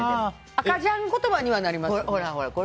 赤ちゃん言葉にはなりますよ。